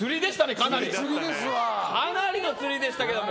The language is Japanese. かなりの釣りでしたけども。